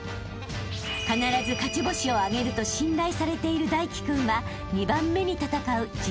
［必ず勝ち星を挙げると信頼されている泰輝君は２番目に戦う次鋒］